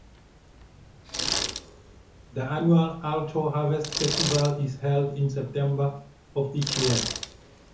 The annual Alto Harvest Festival is held in September of each year.